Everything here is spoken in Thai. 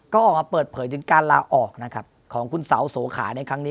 ก็ออกมาเปิดเผยถึงการลาออกนะครับของคุณเสาโสขาในครั้งนี้